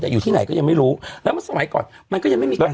แต่อยู่ที่ไหนก็ยังไม่รู้แล้วเมื่อสมัยก่อนมันก็ยังไม่มีการ